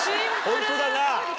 ホントだな。